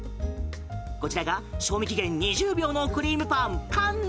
こちらが賞味期限２０秒のクリームパン、カンヌ。